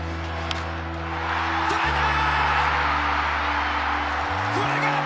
捉えた！